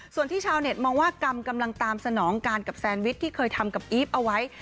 ส่วนที่ชาวเน็ตมองว่ากรรมกำลังตามสนองการกับแซนวิชที่เคยทำกับอีฟเอาไว้